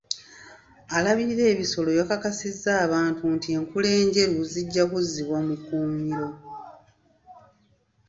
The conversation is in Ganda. Alabirira ebisolo yakakasizza abantu nti enkula enjeru zijja kuzzibwa mu kkuumiro.